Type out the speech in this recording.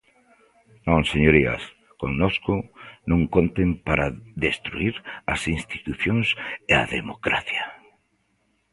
Non, señorías, connosco non conten para destruír as institucións e a democracia.